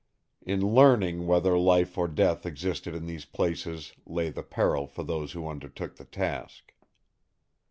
In learning whether life or death existed in these places lay the peril for those who undertook the task.